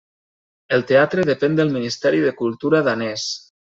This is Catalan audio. El teatre depèn del Ministeri de Cultura danès.